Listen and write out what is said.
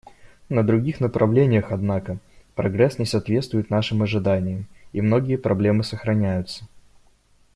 На других направлениях, однако, прогресс не соответствует нашим ожиданиям, и многие проблемы сохраняются.